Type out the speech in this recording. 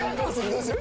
どうする？